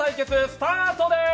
スタートです！